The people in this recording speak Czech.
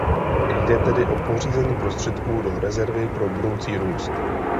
Jde tedy o pořízení prostředků "do rezervy" pro budoucí růst.